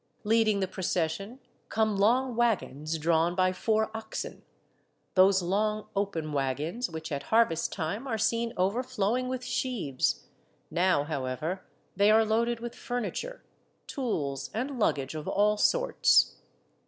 Leading the procession, come long wagons drawn by four oxen, those long, open wagons which at harvest time are seen overflowing with sheaves ; now, however, they are loaded with furniture, tools, and luggage of all sorts.